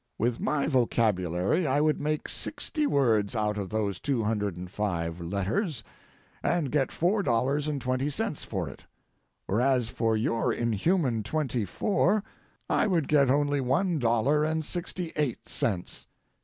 With my vocabulary I would make sixty words out of those two hundred and five letters, and get four dollars and twenty cents for it; whereas for your inhuman twenty four I would get only one dollar and sixty eight cents.